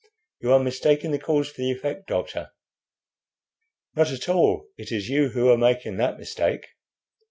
"You are mistaking the cause for the effect, doctor." "Not at all; it is you who are making that mistake."